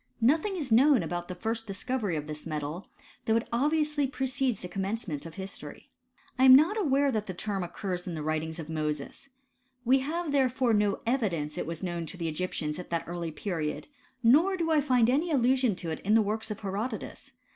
Nothing is known about the first discovery of this metal ; though it obviously precedes the commencement of history. I am not aware that the term occurs in the writings of Mosea, We have therefore no evidence that it was known to the Egyptians at that early period ; nor do 1 find any allusion to it in the works of Herodotus.